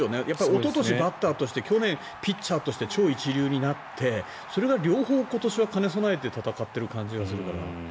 おととし、バッターとして去年、ピッチャーとして超一流になってそれが両方、今年は兼ね備えて戦っている感じがするから。